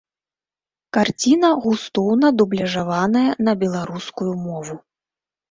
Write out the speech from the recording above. Карціна густоўна дубляжаваная на беларускую мову.